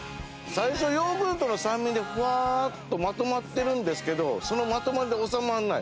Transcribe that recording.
最初ヨーグルトの酸味でフワッとまとまってるんですけどそのまとまりで収まらない。